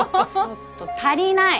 足りない！